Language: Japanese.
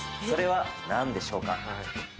それは何でしょうか？